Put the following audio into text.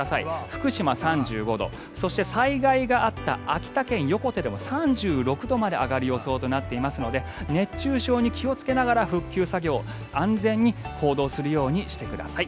福島、３５度そして、災害があった秋田県横手でも３６度まで上がる予想となっていますので熱中症に気をつけながら復旧作業安全に行動するようにしてください。